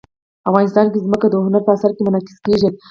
افغانستان کې ځمکه د هنر په اثار کې منعکس کېږي.